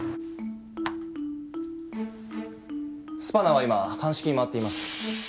スパナは今鑑識に回っています。